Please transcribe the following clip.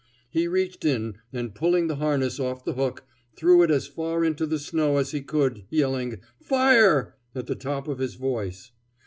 He reached in, and pulling the harness off the hook, threw it as far into the snow as he could, yelling "Fire!" at the top of his voice.